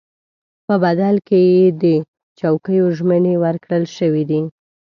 په بدل کې یې د چوکیو ژمنې ورکړل شوې دي.